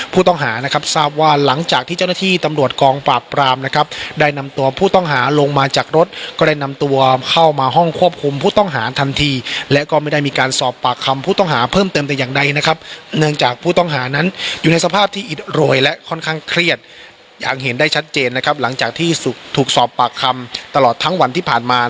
ผู้ต้องหานะครับทราบว่าหลังจากที่เจ้าหน้าที่ตำรวจกองปราบปรามนะครับได้นำตัวผู้ต้องหาลงมาจากรถก็ได้นำตัวเข้ามาห้องควบคุมผู้ต้องหาทันทีและก็ไม่ได้มีการสอบปากคำผู้ต้องหาเพิ่มเติมแต่อย่างใดนะครับเนื่องจากผู้ต้องหานั้นอยู่ในสภาพที่อิดโรยและค่อนข้างเครียดอย่างเห็นได้ชัดเจนนะครับหลังจากที่ถูกสอบปากคำตลอดทั้งวันที่ผ่านมา